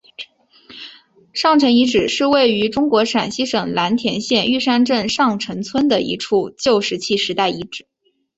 上陈遗址是位于中国陕西省蓝田县玉山镇上陈村的一处旧石器时代遗址。